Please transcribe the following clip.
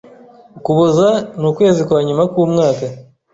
Ukuboza ni ukwezi kwa nyuma kwumwaka.